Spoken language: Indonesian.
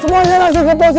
semuanya langsung ke posisi